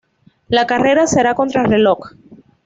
La carrera será contrarreloj.